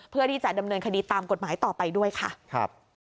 เพื่อที่จะดำเนินคดีตามกฎหมายต่อไปด้วยค่ะครับ